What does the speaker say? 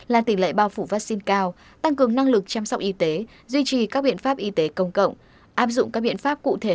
là tỉnh lệ bao phủ vaccine cao tăng cường năng lực chăm sóc y tế